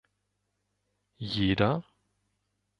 Jeder?